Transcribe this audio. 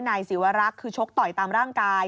ศิวรักษ์คือชกต่อยตามร่างกาย